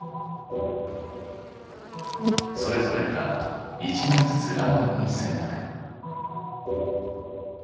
それぞれから１枚ずつランダムに選択。